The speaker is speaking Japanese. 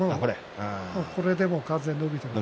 これでもう完全に伸びています。